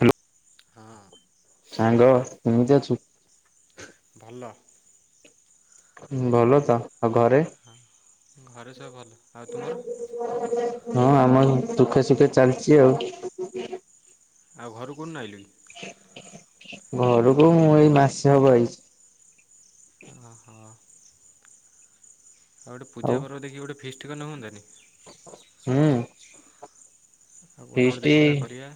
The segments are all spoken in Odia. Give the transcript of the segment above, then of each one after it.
ହ୍ୟାଲୋ ହଁ ସାଙ୍ଗ କେମିତି ଅଛୁ ଭଲ ହଁ ଭଲ ତ ଆଉ ଘରେ? ଘରେ ସବୁ ଭଲ। ଆଉ ତୁମର? ହଁ ଆମର ଦୁଃଖେ ସୁଖେ ଚାଲିଛି ଆଉ। ଆଉ ଘରୁ କୋଉଦିନ ଆଇଲେଣି? ଘରକୁ ମୁଁ ଏଇ ମାସେ ହବ ଆଇଚି। ଓ ହ ଆଉ ଗୋଟେ ପୂଜା ପର୍ବ ଦେଖିକି ଗୋଟେ ଫିଷ୍ଟ୍ କନେ ହୁଅନ୍ତା ନି? ହୁଁ ଆଉ କୋଉଦିନ ଗୋଟେ ଫିଷ୍ଟି ଦେଖୁନା କରିବା।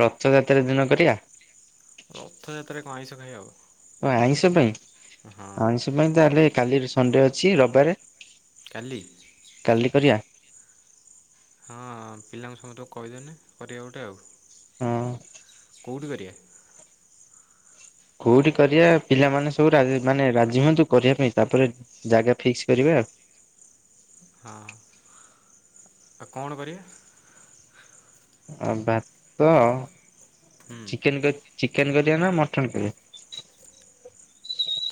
ରଥଯାତ୍ରା ଦିନ କରିବା। ରଥଯାତ୍ରାରେ କଣ ଆଇଁଷ ଖାଇହବ? ଓ ଆଇଁଷ ପାଇଁ ଆଇଁଷ ପାଇଁ ତାହାଲେ କାଲି ସଣ୍ଡେ ଅଛି। ରବିବାରେ କାଲି କାଲି କରିବା। ହଁ ପିଲାଙ୍କୁ ସମସ୍ତଙ୍କୁ କହିଦେଲୁନି [unintelligible] ଗୋଟେ ଆଉ ହୁଁ କୋଉଠି କରିବା? କୋଉଠି କରିବା ପିଲାମାନେ ସବୁ ରାଜି ମାନେ ରାଜି ହୁଅନ୍ତୁ। କରିବା ପାଇଁ ତାପରେ ଜାଗା ଫିକ୍ସ କରିବା ହଁ ଆଉ କଣ କରିବା? ଆ ଭାତ ହୁଁ ଚିକେନ୍ ଚିକେନ୍ କରିବା ନା ମଟନ କରିବା?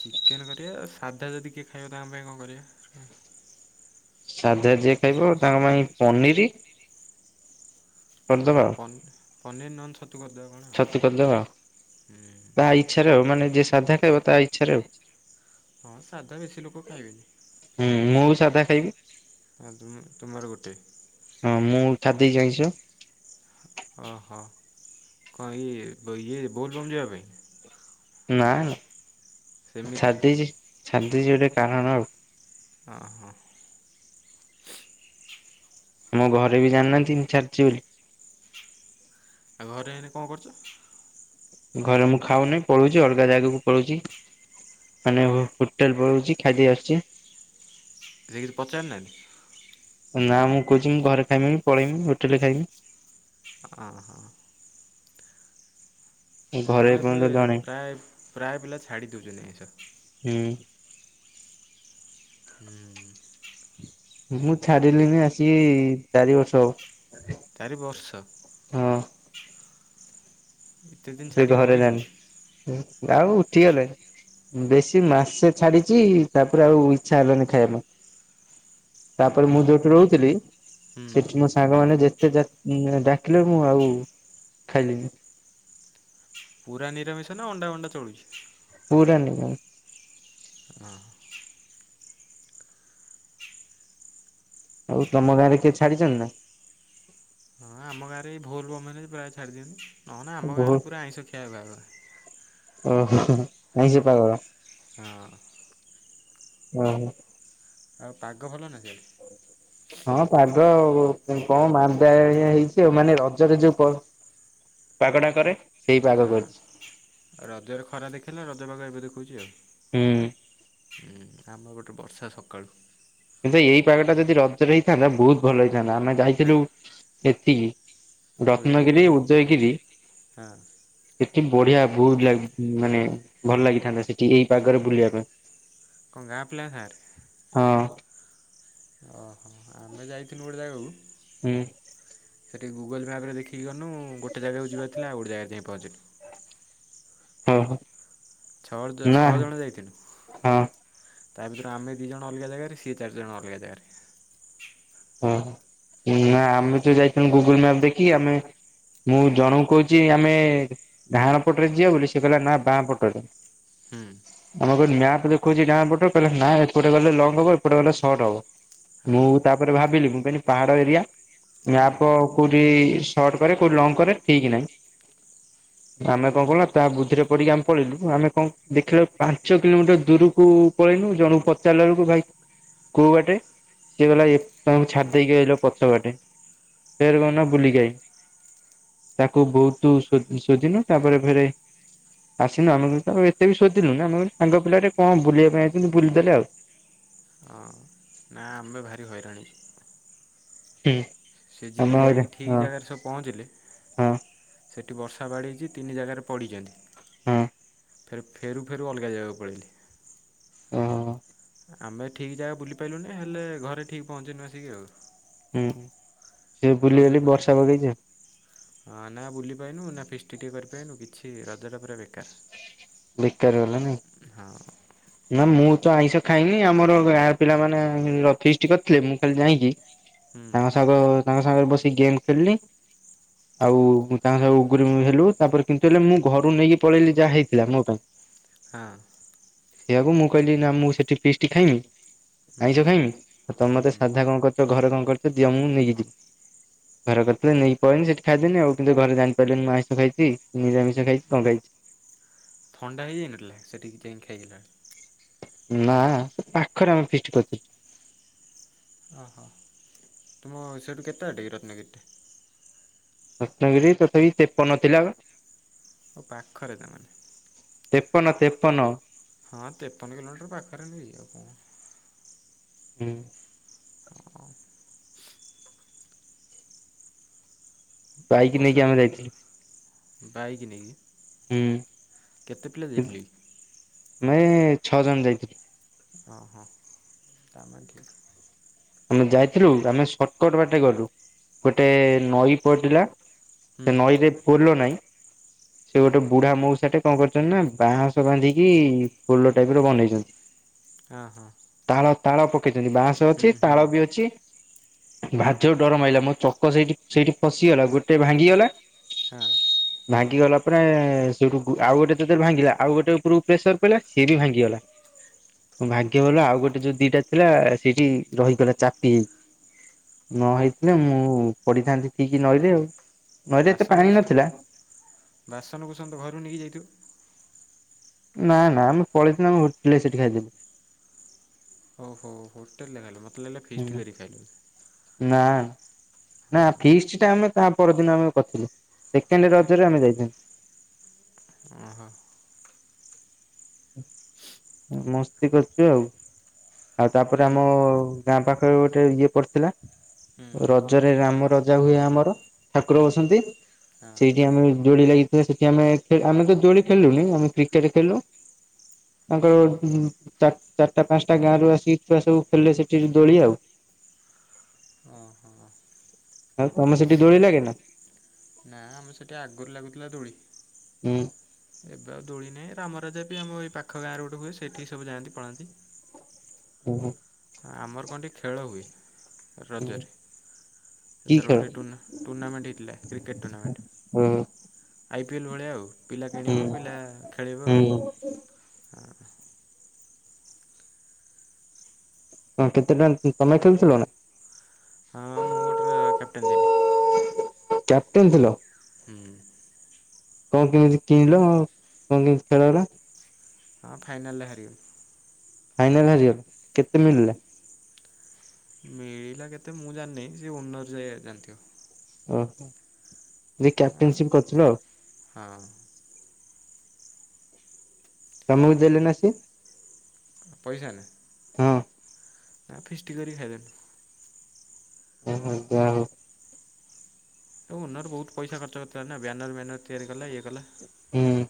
ଚିକେନ୍ କରିବା। ସାଧା ଯଦି କିଏ ଖାଇବା ତାଙ୍କ ପାଇଁ କଣ କରିବା? ସାଧା ଯିଏ ଖାଇବ ତାଙ୍କ ପାଇଁ ପନିରି ହଁ ଆଉ। ପନିର୍ ନହେଲେ ଛତୁ କରିଦେବା କଣ ଆଉ। ଛତୁ ହୁଁ ଛାରେ ଆଉ ମାନେ ଯିଏ ସାଧା ଖାଇବ ତା ଇଚଛାରେ ଆଉ। ହଁ ସାଧା ବେଶୀ ଲୋକ ଖାଇବେନି। ହୁଁ ମୁଁ ବି ସାଧା ଖାଇବି। [unintelligible] ତୁମର ଗୋଟେ। ହଁ ମୁଁ ଛାଡ଼ିଦେଇଚି ଆଇଁଷ। ଓ ହୋ [unintelligible] ଇଏ ଇଏ ବୋଲ ବମ୍ ଯିବା ପାଇଁ। ନା ନା ସେମିତିରେ ଛାଡିଦେଇଛି ଛାଡିଦେଇଛି ଗୋଟେ କାରଣ ଆଉ। ଓ ହୋ ଆମ ଘରେ ବି ଜାଣିନାହାନ୍ତି ଏମିତି ଚାଲଚି ବୋଲି। ଆଉ ଘରେ ହେନେ କଣ କରୁଚ? ଘରେ ମୁଁ ଖାଉନେଇଁ ପଳୋଉଚି ଅଲଗା ଜାଗାକୁ ପଳୋଉଚି। ମାନେ ହୋ-ହୋଟେଲ ପଳୋଉଚି ଖାଇଦେଇ ଆସୁଚି। ରେ କିଛି ପଚାର ନାହାନ୍ତି? ନା ମୁଁ କୋହୁଚି ମୁଁ ଘରେ ଖାଇମିନି ପଳେଇମି ହୋଟେଲରେ ଖାଇମି। ହଁ ହଁ। ଘରେ ହଁ ଏବେ ଏପର୍ଯ୍ୟନ୍ତ ଜଣେ ପ୍ରାୟେ ପ୍ରାୟେ ପିଲା ଛାଡ଼ିଦୋଉଚନ୍ତି ଆଇଁଷ। ହୁଁ। ହୁଁ। ମୁଁ ଛାଡିଲିନି ଆସିକି ଚାରି ବର୍ଷ ହବ। ଚାରି ବର୍ଷ। ହଁ। ଏତେ ଦିନ ତୁ ଏ ଛାଡ଼ିକି ଘରେ ରହି ହେଉଛି ଜାଣନି ଆଉ ଉଠିଗଲେ। ବେଶୀ ମାସେ ଛାଡିଚି ତାପରେ ଆଉ ଇଚ୍ଛା ହେଲାନି ଖାଇବା ପାଇଁ। ତାପରେ ମୁଁ ଓହୋ ଯୋଉଠି ରହୁଥିଲି ହୁଁ ସେଠି ମୋ ସାଙ୍ଗମାନେ ଯେତେ ଯା ଉଁ ଡାକିଲେ ମୁଁ ଆଉ ଖାଇଲିିନି। ପୁରା ନିରାମିଷ ନା ଅଣ୍ଡା ମଣ୍ଡା ଚଳୁଚି? ପୁରା ନିରାମିଷ୍। ହଁ। ଆଉ ତମ ଗାଁରେ କିଏ ଛାଡିଚନ୍ତି ନା? ହଁ ଆମ ଗାଁରେ ଏଇ ଭୋଲବମ ହେନେ ଇ ପ୍ରାୟେ ଛାଡ଼ିଦିଅନ୍ତି ନହେନେ ଆମ ବହୁତ ଗାଁରେ ପୁରା ଆଇଁଷ ଖିଆ ବାରରା। ଓହୋ ଆାଇଁଷ ପାଗଳ। ହଁ। ଆହୋ। ଆଉ ପାଗ ଭଲନା ସିଆଡେ? ହଁ ପାଗ ଆଉ ଏମ୍ କଣ ମାନ୍ଦାଳିଆ ହେଇଛି ଆଉ ମାନେ ରଜରେ ଯୋଉ ପ ପାଗଟା କରେ ସେଇ ପାଗ କରିଛି। ଆ ରଜରେ ଖରା ଦେଖେଇଲା ରଜ ପାଗ ଏବେ ଦେଖୋଉଚି ଆଉ। ହୁଁ। ଉଁ ଆମ ଗୋଟେ ବର୍ଷା ସକାଳୁ। କିନ୍ତୁ ଏଇ ପାଗଟା ଯଦି ରଜରେ ହେଇଥାନ୍ତା ବୋହୁତ ଭଲ ହେଇଥାନ୍ତା ଆମେ ଯାଇଥିଲୁ ଏଠିକି କୋଉଠି ରତ୍ନଗିରି, ଉଦୟଗିରି ହଁ। ସେଠି ବଢିଆ ବୋହୁତ ଲାଗ୍ ଉଁ ମାନେ ଭଲ ଲାଗିଥାନ୍ତା ସେଠି ଏଇ ପାଗରେ ବୁଲିବା ପାଇଁ। କଣ ଗାଁ ପିଲାଙ୍କ ସାଙ୍ଗରେ? ହଁ। ଓହୋ ଆମେ ଯାଇଥିଲୁ ଗୋଟେ ଜାଗାକୁ ହୁଁ ସେଠି ଗୁଗଲ୍ ମ୍ୟାପରେ ଦେଖିକି ଗନୁ ଗୋଟେ ଜାଗାକୁ ଯିବାର ଥିଲା ଆଉ ଗୋଟେ ଜାଗାରେ ଯାଇଁ ପହଞ୍ଚିଲୁ। ଓହୋ। ଛଅ ଜ ଛଅ ଜଣ ଯାଇଥିନୁ। ହଁ ତା ଭିତରେ ଆମେ ଦିଇ ଜଣ ଅଲଗା ଜାଗାରେ ସିଏ ଚାରି ଜଣ ଅଲଗା ଜାଗାରେ। ହଁ ନା ଆମେ ତ ଯାଇଥିନୁ ଗୁଗୁଲ ମ୍ୟାପ ଦେଖିକି ଆମେ ମୁଁ ଜଣକୁ କୋହୁଚି ଆମେ ଡାହଣ ପଟରେ ଯିିବା ବୋଲି ସିଏ କହିଲା ନା ବାଁ ପଟରେ। ହୁଁ। ଆମେ କହିଲୁ ମ୍ୟାପ ଦେଖୋଉଚି ଡାହାଣ ପଟ କହିଲେ ନାଁ ଏପଟେ ଗଲେ ଲଙ୍ଗ ହବ ଏପଟେ ଗଲେ ସର୍ଟ୍ ହବ। ହଁ ମୁଁ ତାପରେ ଭାବିଲି ମୁଁ କହିନି ପାହାଡ ଏରିଆ ହୁଁ ମ୍ୟାପ କୋଉଠି ସର୍ଟ କରେ କୋଉଠି ଲଙ୍ଗ କରେ ଠିକ ନାହିଁ। ଆମେ କଣ କଲୁନା ତା ବୁଦ୍ଧିରେ ପଡିକି ଆମେ ପଳେଇଲୁ ଆମେ କଣ ଦେଖିଲାବେଳକୁ ପାଞ୍ଚ କିଲୋମିଟର ଦୂରକୁ କହିନୁ ଜଣକୁ ପଚାରିଲା ବେଳକୁ ଭାଇ କୋଉ ବାଟେ ସିଏ କହିଲା ଏ ତମକୁ ଛାଡି ଦେଇକି ଆଇଲ ପଛ ବାଟେ ଫେରେ କଣ କନା ବୁଲିକି ଆଇନୁ। ତାକୁ ବହୁତୁ ଶୋଦ ଶୋଦିନୁ ତାପରେ ଫେରେ। ଆସିନୁ ଆମେ ତାକୁ ଏତେ ବି ସୋଦିନୁ ନା ଆମେ କହିନୁ ସାଙ୍ଗ ପିଲାଟେ କଣ ବୁଲିବା ପାଇଁ ଆଇଛନ୍ତି ବୁଲିଦେଲେ ଆଉ। ହଁ। ନା ଆମେ ଭାରି ହଇରାଣ ହେଇଚୁ। ହୁଁ। ସେ ଯିଏ ଆମେ ହଇରାଣ ଯାଇକି ଠିକ୍ ହଁ ଜାଗାରେ ସବ ପହଞ୍ଚିଲେ ହଁ ସେଠି ବର୍ଷା ବାଡେଇଛି ତିନି ଜାଗାରେ ପଡ଼ିଛନ୍ତି। ହୁଁ। ଫେର ଫେରୁ ଫେରୁ ଅଲଗା ଜାଗା କୁ ପଳେଇଲି। ହଁ। ଆମେ ଠିକ ଜାଗା ବୁଲିପାଇଲୁନି ହେଲେ ଘରେ ଠିକ୍ ପହଞ୍ଚିନୁ ଆସିକି ଆଉ। ହୁଁଁ। ରଜ ପରା। ହଁ ନା ବୁଲିପାଇନୁ ନା ଫିଷ୍ଟି ଟିକେ କରିପାଇନୁ କିଛି ରଜଟା ପୁରା ବେକାର। ବେକାର ଗଲା ନାଇଁ। ହଁ। ନା ମୁଁ ତ ଆଇଁଷ ଖାଇନି ଆମର ଗାଁ ପିଲାମାନେ ଅ ଫିଷ୍ଟି କରିଥିଲେ ମୁଁ ଖାଲି ଯାଇଁକି। ହୁଁ ତାଙ୍କ ସାଙ୍ଗ ତାଙ୍କ ସାଙ୍ଗରେ ବସିିକ ଗେମ୍ ଖେଳିଲି। ଆଉ ମୁଁ ତାଙ୍କ ସହ ଉଗୁରୀ ମୁଗୁରି ହେଲୁ ତାପରେ କିନ୍ତୁ ହେଲେ ମୁଁ ଘରୁକୁ ନେଇକି ପଳେଇଲି ଯାହା ହେ ଥିଲା ମୋ ପାଇଁ ହଁ ସେଇଆକୁ ମୁଁ କହିଲି ନା ମୁଁ ସେଠି ଫିସ୍ଟି ଖାଇମି। ହୁଁ ଆଇଁଷ ଖାଇମି ତମ ହୁଁ ମତେ ହୁଁ ସାଧା କଣ କରିଛ ଘରେ କଣ କରିଛ ଦିଅ ମୁଁ ନେଇକି ଯିବି। ଘରେ କରିଥିଲେ ନେଇକି ପଳେଇନି ସେଠି ଖାଇଦେନି ଆଉ କିନ୍ତୁ ଘରେ ଜାଣିପାରିଲେନି ମୁଁ ଆଇଁଷ ଖାଇଛି ନିରାମିଷ ଖାଇଛି କଣ ଖାଇଛି। ଥଣ୍ଡା ହେଇଯାଇନଥିଲା ସେଠିକି ଯାଇକି ଖାଇଲା? ଉଁ ନା ପାଖରେ ଆମେ ଫିଷ୍ଟ କରୁଥୁଲ। ଓ ହୋ ତୁମ ସେଇଠୁ କେତେ ବାଟ କି ରତ୍ନଗିରି ଟା? ରତ୍ନଗିରି ତଥାପି ତେପନ ଥିଲା ପା। ଓ ପାଖରେ ତାମାନେ। ତେପନ ତେପନ। ହଁ ତେପନ କିଲୋମିଟର ପାଖରେ ନୁହେ କି ଆଉ କଣ? ହୁଁ। ହଁ। ବାଇକ୍ ନେଇକି ବର୍ଷା ଆମେ ଯାଇଥିଲୁ ବାଇକ ନେଇକି। ହୁଁ। କେତେ ପିଲା ଯାଇଥିଲେ କି? ଆମେ ଛଅ ଜଣ ଯାଇଥିଲୁ। ହଁ ହଁ ତାମାନେ ଠିକ୍। ଆମେ ଯାଇଥିଲୁ ଆମେ ସର୍ଟକଟ ବାଟେ ଗଲୁ ଗୋଟେ ନଈ ପଡିଲା। ହୁଁ ସେ ନଈରେ ପୋଲ ନାଇଁ। ସେ ଗୋଟେ ବୁଢା ମଉସା ଟେ କଣ କରିଛନ୍ତି ନା ବାଆଁସ ବାନ୍ଧିକି ପୋଲ ଟାଇପ ର ବନେଇଛନ୍ତି। ହଁ ହଁ। ତାଳ ତାଳ ପକେଇଛନ୍ତି ବାଆଁସ ହୁଁ ଅଛି ହୁଁ ତାଳ ବି ଅଛି। ଭାର ଜୋର୍ ଡର ମାଇଲା ମୋ ଚକ ସେଇଠି ସେଇଠି ପସିିଗଲା ଗୋଟେ ଭାଙ୍ଗିଗଲା। ହଁ। ଭାଙ୍ଗି ଗଲା ପରେ ସେଇଠୁ ଗୁ ଆଉ ଗୋଟେ [unintelligible] ଭାଙ୍ଗିଲା ଆଉ ଗୋଟେ ଉପରକୁ ପ୍ରେସର ପଇଲା ସିଏ ବି ଭାଙ୍ଗିଗଲା। ମୋ ଭାଗ୍ୟ ଭଲ ଆଉ ଗୋଟେ ଯୋଉ ଦିଟା ଥିଲା ସେଇଠି। ରହିଗଲା ଚାପି ହେଇକି ନ ହେଇଥିନେ ମୁଁ ପଡିଥାନ୍ତି ଠୀକି ନଇ ରେ ଆଉ। ନଈରେ ଏତେ ପାଣି ବାସନକୁସ ନଥିଲା ବାସନକୁସନ ତ ଘରୁ ନେଇକି ଯାଇଥିବୁ। ନା ନା ଆମେ ପଳେଇ ଥିନୁ ଆମେ ହୋଟଲରେ ସେଠି ଖାଇଦେନୁ। ହଉ ହଉ ହୋଟେଲରେ ଖାଇଲ? ମତେ ଲାଗିଲା ହୁଁ ଫିଷ୍ଟ କରି ଖାଇଲ। ନା ଆ। ନା ଫିଷ୍ଟ ଟା ଆମେ ତା ପରଦିନ ଆମେ କରିଥିଲୁ ସେକେଣ୍ଡ ରଜରେ ଆମେ ଯାଇ ଓହୋ। ମସ୍ତି କରୁଛୁ ଆଉ, ଆଉ ତାପରେ ସେଠି ଆମ ହୁଁ ଗାଁ ପାଖରେ ଗୋଟେ ଇଏ ପଡିଥିଲା ର ରଜରେ ରାମ ରଜା ହୁଏ ଆମର ଠାକୁର ହୁଁ ଆସନ୍ତି। ହଁ ସେଇଠି ଆମେ ଦୋଳି ଲାଗିଥିଲା ସେଠି ଆମେ ଆମେ ତ ଦୋଳି ଖେଳୁନି ଆମେ କ୍ରିକେଟ ଖେଳିଲୁ। ତାଙ୍କର ଚାରିଟା ପାଞ୍ଚଟା ଗାଁ ରୁ ଆସିକି ଛୁଆ ସବୁ ଖେଳିଲେ ସେଠି ଦୋଳି ଆଉ। ଓଁ ହଁ। ଆଉ ତମେ ସେଠି ଦୋଳି ଲାଗେ ନା? ନା ଆମେ ସେଠି ଆଗରୁ ଲାଗୁଥିଲା ଦୋଳି। ହୁଁ ଉଁ ଏବେ ଆଉ ଦୋଳି ନାହିଁ ରାମ ରାଜା ବି ଆମ ଏଇ ପାଖ ଗାଁରେ ଗୋଟେ ହୁଏ ସେଇଠି ସବୁ ଯାଆନ୍ତି ପଳାନ୍ତି। ଓ ହୋ। ହଁ ଆମର କଣ ଟିକେ ଖେଳ ହୁଏ ହୁଁ ରଜରେ, କି ଏଥର ଖେଳ ଗୋଟେ ଟୁର୍ନା ଟୁର୍ଣ୍ଣାମେଣ୍ଟ ହେଇଥିଲା, କ୍ରିକେଟ ଟୁର୍ଣ୍ଣାମେଣ୍ଟ। ହୁଁ ଆଇ ପିଏଲ୍ ଭଳିଆ ଆଉ, ପିଲା ହୁଁ କିଣିବେ ପିଲା ଖେଳିବେ ଆଉ। ହୁଁ। ହଁ ହଁ କେତେ ଟଙ୍କା ତମେ ଖେଳଥିଲ ନା? ହଁ ମୁଁ ଗୋଟେର କ୍ୟାପଟନ୍ ଥିନି। କ୍ୟାପଟେନ୍ ଥିଲ? ହୁଁ ଉଁ କଣ କେମିତି କିଣିଲ ଆଉ [unintelligible] ହଁ ଫାଇନାଲ୍ ରେ ହାରିଗଲୁ। ଫାଇନାଲ ରେ ହାରିଗଲ କେତେ ମିଳିଲା? ହୁଁ ମିଳିଲା କେତେ ମୁଁ ଜାଣିିନି, ସେ ଓନର ଯ ଜାଣିଥିବ। ଓହୋ ଯିଏ କ୍ୟାପଟେନସିପ୍ କରିଥିଲ ଆଉ। ହଁଅ ତମକୁ ଦେଲେନା ସିଏ? ପଇସା ନା? ହଁଅ ନା ଫିଷ୍ଟ କରିିକି ଖାଇଦେନୁ। ଓ ହୋ ଯା ହଉ। ଏ ଓନର୍ ବହୁତ ପଇସା ଖର୍ଚ୍ଚ କରିଲା ନା, ବ୍ୟାନର ବ୍ୟାନର ତିଆରି କଲା ଇଏ କଲା। ହୁଁ ଉଁ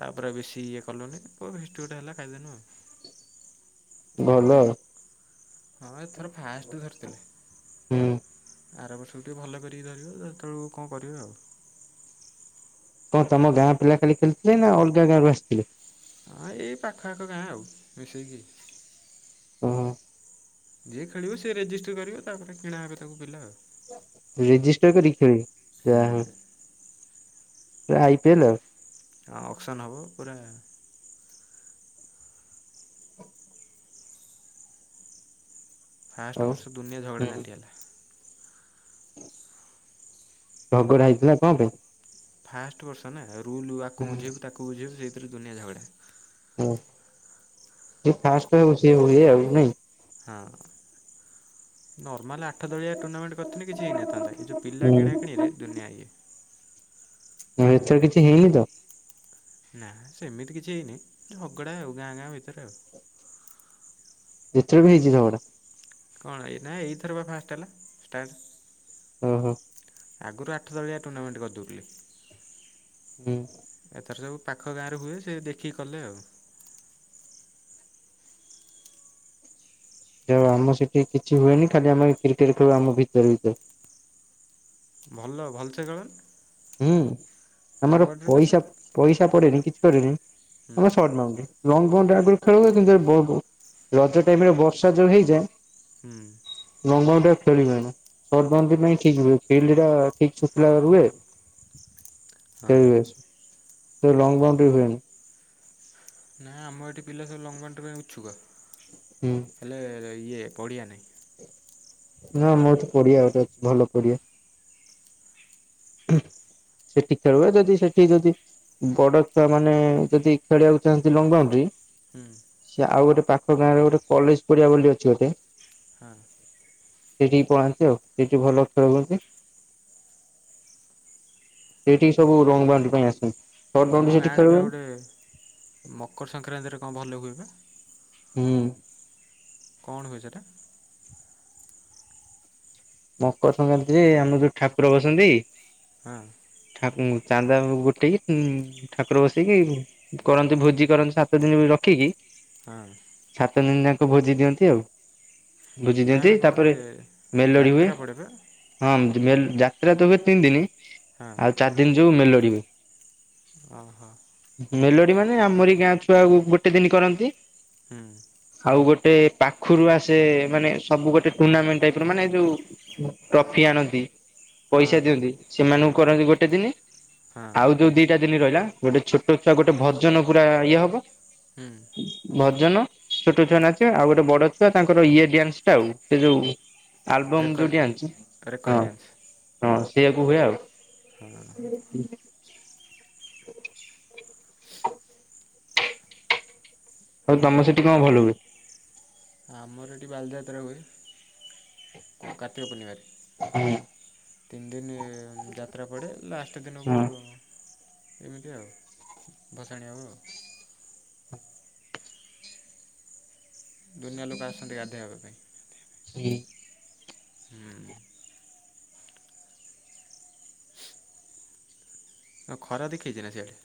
ତାପରେ ବେଶୀ ଇଏ କଲୁନି, ତ ଫିଷ୍ଟି ଗୋଟେ ହେଲା ଖାଇଦେନୁ। ଭଲ। ହଁ ଏଥର ଫାଷ୍ଟ ଧରିଥିଲେ। ହୁଁ। ଆର ବର୍ଷକୁୁ ଟିକେ ଭଲ କରିକି ଧରିବ ସେତେବେଳକୁ କଣ କରିବେ ଆଉ। କ ତମ ଗାଁ ପିଲା ଖାଲି ଖେଳିଥିଲେ ନା ଅଲଗା ଗାଁରୁ ଆସିଥିଲେ? ହଁ ଏଇ ପାଖ ଆଖ ଗାଁ ଆଉ ମିଶେଇକି। ହଁ ହଁ। ଯିଏ ଖେଳିବ ସେ ରେଜିଷ୍ଟି କରିବ, ତା ପରେ କିଣା ହେବେ ତାକୁ ପିଲା ଆଉ। ରେଜିଷ୍ଟର କରି ଖେଳିବ, ଯାହା ହୁଁ ହଉ ଆଇ ପିଏଲ ଆଉ। ହଁ ଅକ୍ସନ୍ ହେବ ପୁରା ଫାଷ୍ଟ ଆଉ ବର୍ଷ ଦୁନିଆ ହୁଁ ଝଗଡ଼ାଝାଣ୍ଟି ହେଲା। ଝଗଡ଼ ହେଇଥିଲା କଣ ପାଇଁ? ଫାଷ୍ଟ ବର୍ଷ ନା ରୁଲ ଆକୁ ବୁଝେଇବୁ, ତାକୁ ବୁଝେଇବୁ, ସେଇଥିରେ ଦୁନିଆ ଝଗଡ଼ା। ହଁ ଫାଷ୍ଟ ସ ହଏ ଆଉ ନାଇଁ। ହଁ ଅଁ। ନର୍ମାଲ ଆଠ ଦଳିଆ ଟୁର୍ଣ୍ଣାମେଣ୍ଟ କଥ କିଛି ହେଇନଥାନ୍ତା ଏ ଯେଉଁ ପିଲା ହୁଁ କିଣାକଣିରେ ଦୁନିଆ ଇଏ। ହଁ ଏଥର କିଛି ହେଇନି ତ? ନା ସେମିତି କିଛି ହେଇନି ଅଗଡ଼ା ଆଉ ଗାଁ ଗାଁ ଭିତରେ ଆଉ। ଯେତେବେ ବି ହେଇଛି ଝଗଡା। କଣ ଏଇ ନା ଏଇଥର ବା ଫାଷ୍ଟ ହେଲା ଷ୍ଟାର୍ଟ। ଓ ହୋ। ଆଗରୁ ଆଠ ତଳିଆ ଟୁର୍ଣ୍ଣାମେଣ୍ଟ କରିଦେଉଥିଲି। ହୁଁ। ଏଥର ସବୁ ପାଖ ଗାଁରେ ହୁଏ ସେ ଦେଖିକି କଲେ ଆଉ। ଯା ହେଉ ଆମ ସେଠି କିଛି ହୁଏନି ଖାଲି ଆମେ କ୍ରିକେଟ ଖେଳୁ ଆମ ଭିତରେ ଭିତରେ। ଭଲ ଭଲ ସେ କଳନା। ହୁଁ ଆମର ନା ପଇସା ସାର୍ ପଇସା ପଡେନି କିଛି କରିନି। ହୁଁ ଆମର ଶର୍ଟ ବାଉଣ୍ଡରି, ଲଙ୍ଗ ବାଉଣ୍ଡରୀ ଆଗରୁ ଖେଳ କିନ୍ତୁ ବ ଵ ରଜ ଟାଇମ ରେ ବର୍ଷା ଯୋଉ ହେଇଯାଏ। ହୁଁ। ଲଙ୍ଗ ବାଉଣ୍ଡରି ରେ ଖେଳିହୁଏନା। ସୋର୍ଟ ବାଉଣ୍ଡରି ପାଇଁ ଠିକ୍ ହୁଏ। [unintelligible] ହଁ। ଖେଳିିହୁଏ। କିନ୍ତୁ ଲଙ୍ଗ ବାଉଣ୍ଡ୍ରି ହୁଏନି। ନାାଇ ଆମ ଏଠି ପିଲା ସବୁ ଲଙ୍ଗ ବାଉଣ୍ଡରି ପାଇଁ ଇଛୁକ। ହୁଁ। ହେ୍ଲେ ଇଏ ପଡ଼ିଆ ନାହିଁ। ନା ମୋ ଏଟି ପଡିଆ ଗୋଟେ ଭଲ ପଡିଆ। ସେଠି ଖେଳ ହୁଏ ଯଦି ସେଠି ଯଦି ବଡ ପିଲା ମାନେ ଯଦି ଖେଳିବାକୁ ଚାହୁଁନ୍ତି ଲଙ୍ଗ ବାଉଣ୍ଡି ହୁଁ। ସେ ଆଉ ଗୋଟେ ପାଖ ଗାଁରେ ଗୋଟେ କଲେଜ ପଡିଆ ବୋଲି ଅଛି ଗୋଟେ ହଁ। ସେଠିକି ପଳାନ୍ତି ଆଉ ସେଠି ଭଲ ଖେଳ ହୁନ୍ତି। ସେଠି ସବୁ ଲଙ୍ଗ ବାଉଣ୍ଡ ପାଇଁ ଆସନ୍ତୀ। ସର୍ଟ ତୁମ ବାଉନ୍ଦ୍ରି ଗାଁ ସେଠି ଆଡ଼େ ବା ଖେଳ ହୁଏନି। ଗୋଟେ ମକର ସଂକ୍ରାନ୍ତିରେ କଣ ଭଲ ହୁଏ ପା? ହୁଁ। କଣ ହୁଏ ସେଟା? ମକର ସଂକ୍ରାନ୍ତିରେ ଆମର ଯୋଉ ଠାକୁର ବସନ୍ତି। ହଁ। ଠାକୁରଙ୍କୁ ଚାନ୍ଦା ଗୋଟେଇ ଠାକୁର ବସେଇିକି କରନ୍ତି ଭୋଜି କରନ୍ତିୁ ସାତ ଦିନ ରଖିକି। ହଁ। ସାତ ଦିନି ଯାଙ୍କୁ ଭୋଜି ଦିଅନ୍ତି ଆଉ, ଭୋଜି ଦିଅନ୍ତି ତାପରେ ମେଲୋଡି ହୁଏ। ପଡେପା। ହଁ ମେଲ ଯାତ୍ରା ତ ହୁଏ ତିନି ଦିନ ହଁ ଆଉ ଚାରି ଦିନ ଯୋଉ ମେଲଡି ହୁଏ। ଓ ହୋ। ମେଲୋଡି ମାନେ ଆମର ଏଇ ଗାଁ ଛୁଆକୁ ଗୋଟେ ଦିନ କରନ୍ତି। ହୁଁ। ଆଉ ଗୋଟେ ପାଖରୁ ଆସେ ମାନେ ସବୁ ଗୋଟେ ଟୁର୍ଣ୍ଣାମେଣ୍ଟ ଟାଇପ ର ମାନେ ଯୋଉ ଟ୍ରଫି ଆଣନ୍ତି ହଁ ପଇସା ହଁ ଦିଅନ୍ତି ସେମାନଙ୍କୁ କରନ୍ତି ଗୋଟେ ଦିନ। ହଁ ଆଉ ଯୋଉ ଦିଟା ଦିନ ରହିଲା ଗୋଟେ ଛୋଟ ଛୁଆ ଗୋଟେ ଭଜନ ପୁରା ଇଏ ହବ। ହୁଁ। ଭଜନ ଛୋଟ ଛୁଆ ନାଚ ଆଉ ଗୋଟେ ବଡ ଛୁଆ ତାଙ୍କର ଇଏ ଡ୍ୟାନ୍ସ ଟା ଆଉ ସେ ଯୋଉ ଆଲବମ ଯୋଉ ରେକର୍ଡ଼ ଡିଆଁ ନସ୍ ରେକର୍ଡ଼ ଡ୍ୟାନ୍ସ ହଁ ସେଇଆ କୁ ହୁଏ ଆଉ। ହ। ଆଉ ତମ ସେଠୀ କଣ ଭଲ ହୁଏ? ଆମର ଏଠି ବାଲିଯାତ୍ରା ହୁଏ କାର୍ତ୍ତିକ ପୂର୍ଣ୍ଣିିମାରେ। ହଁ ତିନି ଦିନ ଯାତ୍ରା ପଡ଼େ ଲାଷ୍ଟ ଦିନକୁ ଏମିତି ଆଉ ଭସାଣି ହବ। ଦୁନିଆ ଲୋକ ଆସନ୍ତି ଗାଧୋଇ ହବା ପାଇଁ। [unintelligible] ହୁଁ। ଆଉ ଖରା ଦେଖେଇଛି ନା ସିଆଡ଼େ?